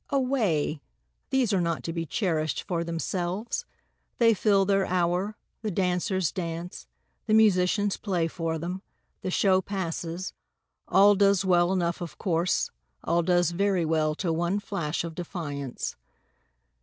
Away! these are not to be cherish'd for themselves, They fill their hour, the dancers dance, the musicians play for them, The show passes, all does well enough of course, All does very well till one flash of defiance.